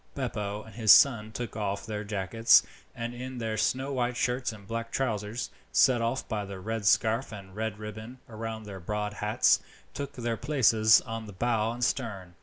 Beppo and his son took off their jackets, and in their snow white shirts and black trousers, set off by the red scarf and a red ribbon round their broad hats, took their places on the bow and stern.